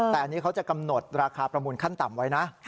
แต่อันนี้เขาจะกำหนดราคาประมูลขั้นต่ำไว้นะ